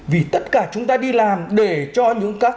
vì tất cả chúng ta đi làm để cho những các